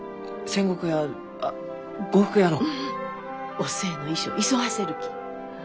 お寿恵の衣装急がせるき。